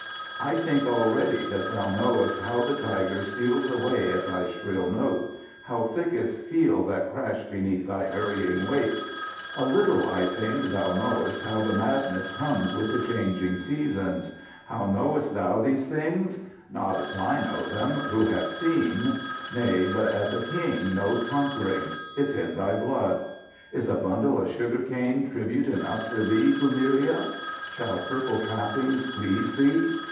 "I think already that thou knowest how the tiger steals away at thy shrill note; how thickets feel that crash beneath thy hurrying weight! A little I think thou knowest how the madness comes with the changing seasons. How knowest thou these things? Not as I know them, who have seen nay, but as a king knows conquering; it's in thy blood! Is a bundle of sugar cane tribute enough for thee, Kumiria? Shall purple trappings please thee?